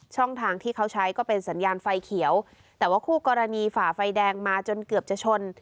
ช่องทางที่เขาใช้ก็เป็นสัญญาณไฟเขียวแต่ว่าคู่กรณีฝ่าไฟแดงมาจนเกือบจะชน